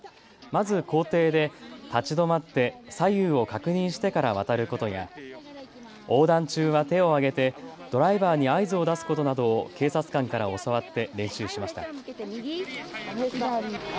まず校庭で立ち止まって左右を確認してから渡ることや横断中は手を上げてドライバーに合図を出すことなどを警察官から教わって練習しました。